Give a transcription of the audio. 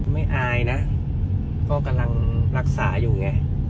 อายนะก็กำลังรักษาอยู่ไง